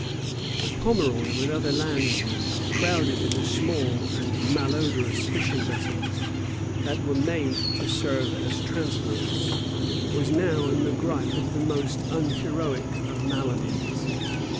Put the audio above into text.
But Pomeroy, with other landsmen, crowded in the small and malodorous fishing vessels that were made to serve as transports, was now in the gripe of the most unheroic of maladies.